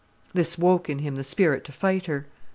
This woke in him the spirit to fight her.